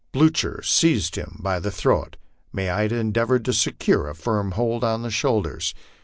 Blucher seized him by the throat, Maida endeavored to secure a firm hold on the shoulders.